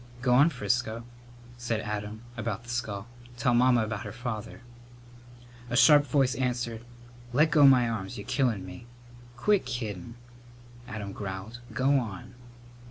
"Go on, Frisco," said Adam, about the skull, "tell Mamma about her father." A sharp voice answered, "Let go my arms. You're killin' me!" "Quit kiddin'," Adam growled. "Go on!"